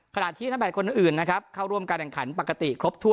ขณะที่นักแบตคนอื่นนะครับเข้าร่วมการแข่งขันปกติครบถ้ว